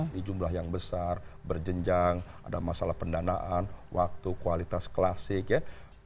di jumlah yang besar berjenjang ada masalah pendanaan waktu kualitas klasik ya